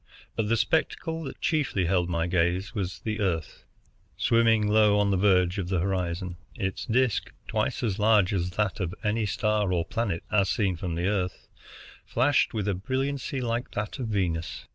But the spectacle that chiefly held my gaze was the Earth, swimming low on the verge of the horizon. Its disc, twice as large as that of any star or planet as seen from the Earth, flashed with a brilliancy like that of Venus.